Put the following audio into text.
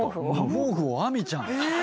毛布をあみちゃん。